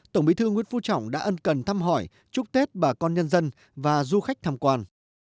tổng bí thư nguyễn phú trọng đã ân cần thăm hỏi chúc tết bà con nhân dân và du khách tham quan